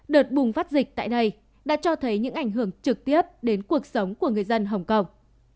đợt bùng phát dịch tại đây đã cho thấy những ảnh hưởng trực tiếp đến cuộc sống của người dân hồng kông